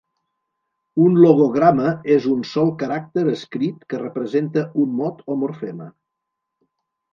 Un logograma és un sol caràcter escrit que representa un mot o morfema.